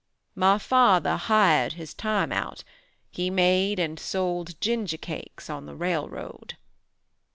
My father hired his time out; he made and sold gingercakes on the railroad.